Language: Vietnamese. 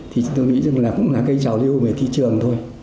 thì tôi nghĩ rằng là cũng là cây trào lưu về thị trường thôi